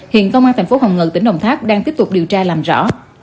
hiện công an tp hồng ngự tỉnh đồng tháp đang tiếp tục điều tra làm rõ